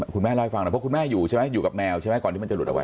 คุณแม่เล่าให้ฟังหน่อยเพราะคุณแม่อยู่ใช่ไหมอยู่กับแมวใช่ไหมก่อนที่มันจะหลุดออกไป